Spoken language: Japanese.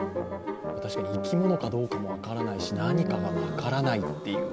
確かに生き物かどうかも分からないし、何か分からないっていう。